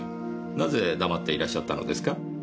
なぜ黙っていらっしゃったのですか？